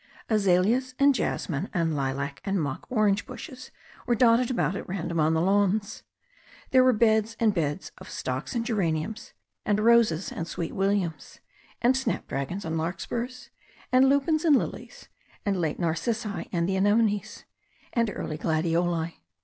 Azaleas and jas mine and lilac and mock orange bushes were dotted about at random on the lawns. There were beds and beds of stocks and geraniums, and roses and sweet williams, and snap dragons and larkspurs, and lupins and lilies, and late nar cissi and anemones, and early gladioli.